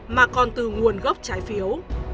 mà còn từ nguồn gốc trái phiếu